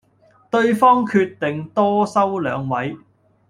對方決定多收兩位